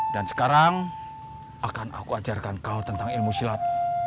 sekarang akan aku ajarkan kau tentang ilmu silat